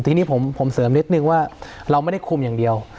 ทีนี้ผมเสริมนิดนึงว่าเราไม่ได้คุมอย่างเดียว